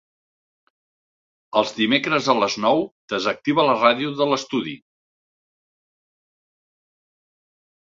Els dimecres a les nou desactiva la ràdio de l'estudi.